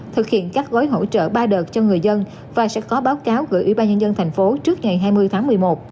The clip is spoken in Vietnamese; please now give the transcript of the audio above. thực hiện các gói hỗ trợ ba đợt cho người dân và sẽ có báo cáo gửi ủy ban nhân dân thành phố trước ngày hai mươi tháng một mươi một